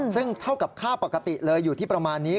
ซึ่งเท่ากับค่าปกติเลยอยู่ที่ประมาณนี้